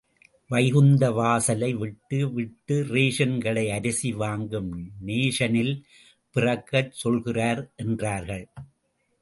வைகுந்த வாசலை விட்டு விட்டு ரேஷன் கடை அரிசி வாங்கும் நேஷனில் பிறக்கச் சொல்கிறார் என்றார்கள்.